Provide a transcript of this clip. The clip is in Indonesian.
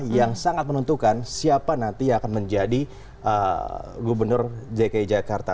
yang sangat menentukan siapa nanti yang akan menjadi gubernur dki jakarta